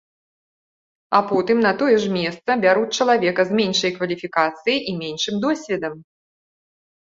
А потым на тое ж месца бяруць чалавека з меншай кваліфікацыяй і меншым досведам.